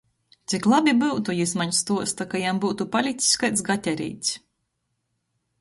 Cik labi byutu, jis maņ stuosta, ka jam byutu palics kaids gatereits.